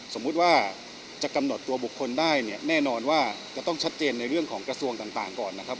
สมมุติว่าจะกำหนดตัวบุคคลได้เนี่ยแน่นอนว่าจะต้องชัดเจนในเรื่องของกระทรวงต่างก่อนนะครับ